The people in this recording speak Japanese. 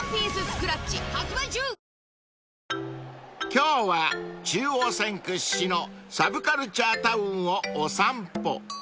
［今日は中央線屈指のサブカルチャータウンをお散歩］